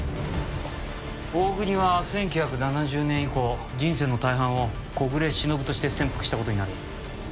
大國は１９７０年以降人生の大半を小暮しのぶとして潜伏した事になる。